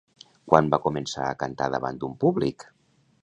Quan va començar a cantar davant d'un públic?